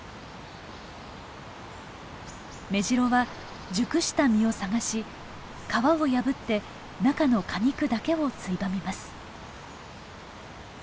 メジロは熟した実を探し皮を破って中の果肉だけをついばみます。